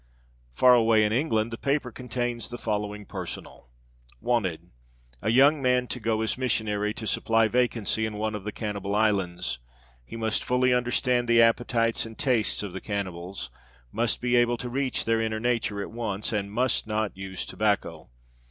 Far away in England the paper contains the following personal: WANTED. A YOUNG MAN TO GO AS MISSIONARY TO supply vacancy in one of the cannibal islands. He must fully understand the appetites and tastes of the cannibals, must be able to reach their inner nature at once, and must not use tobacco.